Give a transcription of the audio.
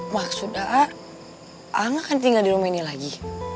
maksud a'a a'ng akan tinggal di rumah ini lagi